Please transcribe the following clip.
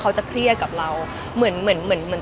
เขาจะเครียดกับเราเหมือน